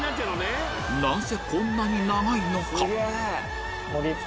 なぜこんなに長いのか？